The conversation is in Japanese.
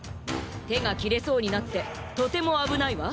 てがきれそうになってとてもあぶないわ。